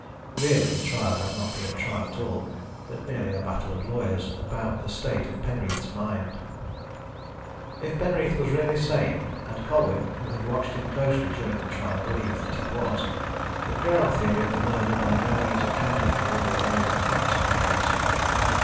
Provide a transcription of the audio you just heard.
Really, the trial had not been a trial at all, but merely a battle of lawyers about the state of Penreath's mind. If Penreath was really sane and Colwyn, who had watched him closely during the trial, believed that he was the Crown theory of the murder by no means accounted for all the amazing facts of the case.